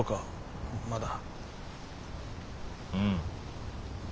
うん。